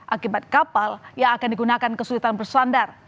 akibat kapal yang akan digunakan kesulitan bersandar